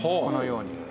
このように。